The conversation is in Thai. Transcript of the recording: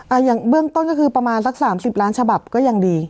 อย่างเบื้องต้นก็คือประมาณสักสามสิบล้านฉบับก็ยังดี